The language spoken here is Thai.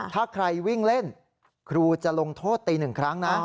ถ้าใครวิ่งเล่นครูจะลงโทษตีหนึ่งครั้งนะ